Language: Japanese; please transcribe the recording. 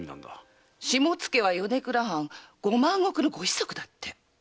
下野は米倉藩五万石のご子息だって。